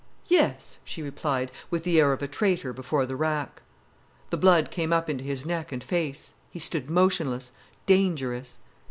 "Yes," she replied, with the air of a traitor before the rack. The blood came up into his neck and face, he stood motionless, dangerous.